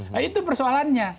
nah itu persoalannya